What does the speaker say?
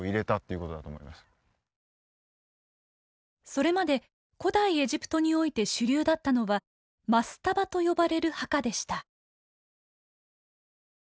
それまで古代エジプトにおいて主流だったのは「マスタバ」と呼ばれる墓でした。